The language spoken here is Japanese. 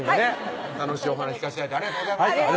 楽しいお話聞かせて頂いてありがとうございました